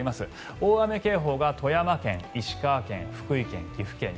大雨警報が富山県石川県、福井県、岐阜県に。